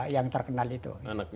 yang terkenal itu